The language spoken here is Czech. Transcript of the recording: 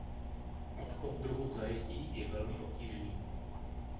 Odchov druhu v zajetí je velmi obtížný.